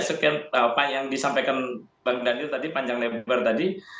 sekian apa yang disampaikan bang daniel tadi panjang lebar tadi